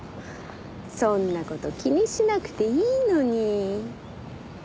そんな事気にしなくていいのに。